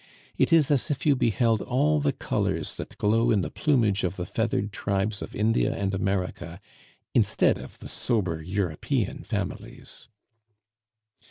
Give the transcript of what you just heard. It is as if you beheld all the colors that glow in the plumage of the feathered tribes of India and America, instead of the sober European families.